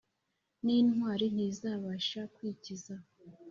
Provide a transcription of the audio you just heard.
n’intwari ntizabasha kwikiza